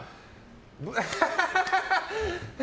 アハハハ！